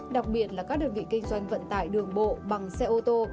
đặc biệt là các đơn vị kinh doanh vận tải đường bộ bằng xe ô tô